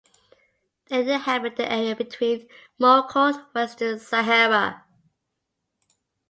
They inhabit the area between Morocco and Western Sahara.